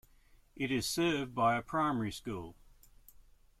It is served by a primary school.